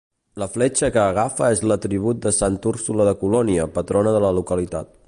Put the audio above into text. La fletxa que agafa és l'atribut de santa Úrsula de Colònia, patrona de la localitat.